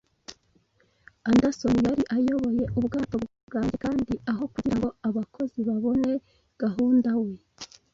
Anderson yari ayoboye ubwato bwanjye, kandi aho kugira ngo abakozi babone gahunda, we